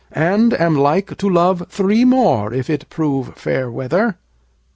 And am like to love three more, If it prove fair weather.